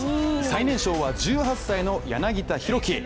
最年少は１８歳の柳田大輝。